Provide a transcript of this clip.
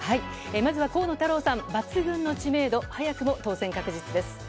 まずは河野太郎さん、抜群の知名度、早くも当選確実です。